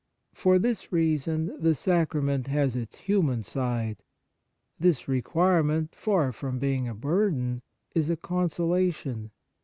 For this reason the sacrament has its human side. This requirement, far from being a burden, is a consolation.